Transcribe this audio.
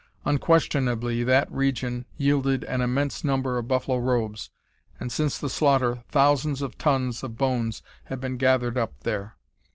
Unquestionably that region yielded an immense number of buffalo robes, and since the slaughter thousands of tons of bones have been gathered up there.